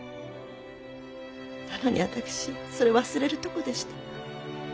なのに私それ忘れるとこでした。